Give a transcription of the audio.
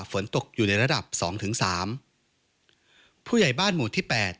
ฝนตกอยู่ในระดับสองถึงสามผู้ใหญ่บ้านหมู่ที่แปด